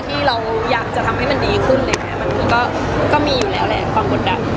ที่เราอยากจะทำให้มันดีขึ้นเลยไงมันก็มีอยู่แล้วแหละความกดดัน